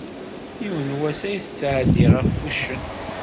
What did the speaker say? Yiwen wass ay tettɛeddi ɣef wuccen.